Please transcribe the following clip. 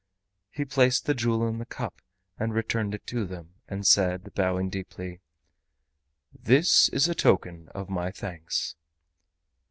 He placed the jewel in the cup and returned it to them, and said, bowing deeply: "This is a token of my thanks!"